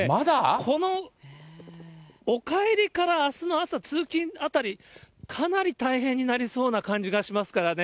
このお帰りからあすの朝、通勤あたり、かなり大変になりそうな感じがしますからね。